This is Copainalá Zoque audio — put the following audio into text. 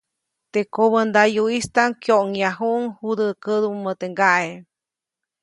Teʼ kobändayuʼistaʼm kyoʼŋyajuʼuŋ judä kädumä teʼ ŋgaʼe.